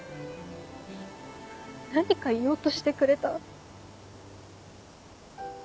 何か言おうとしてくれた。